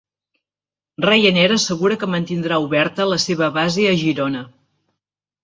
Ryanair assegura que mantindrà oberta la seva base a Girona